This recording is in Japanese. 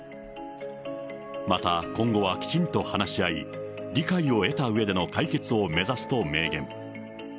また、今後はきちんと話し合い、理解を得たうえでの解決を目指すと明言。